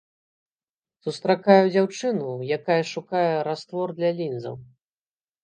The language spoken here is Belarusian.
Сустракаю дзяўчыну, якая шукае раствор для лінзаў.